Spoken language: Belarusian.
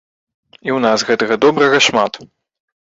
І ў нас гэтага добрага шмат.